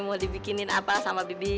mau dibikinin apa sama bibi